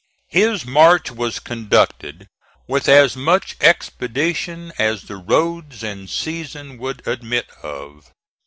His march was conducted with as much expedition as the roads and season would admit of.